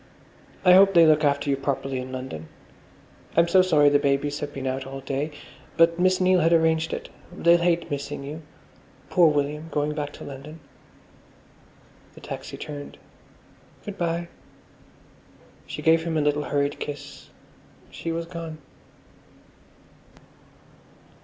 "I hope they look after you properly in London. I'm so sorry the babies have been out all day, but Miss Neil had arranged it. They'll hate missing you. Poor William, going back to London." The taxi turned. "Good bye!" She gave him a little hurried kiss; she was gone.